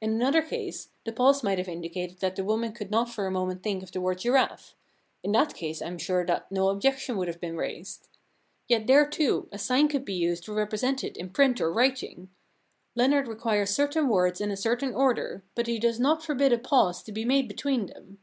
In another case the pause might have indicated that the woman could not for a moment think of the word giraffe. In that case I am sure that no objection would have been raised. Yet there, too, a sign could be used to repre sent it in print or writing. Leonard requires certain words in a certain order, but he does not forbid a pause to be made between them.